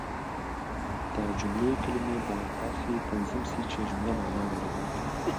د جملې کلیمې باید داسي تنظیم سي، چي جمله مانا ولري.